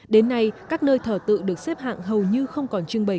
đến nay các nơi thờ tự được xếp hạng hầu như không còn trưng bày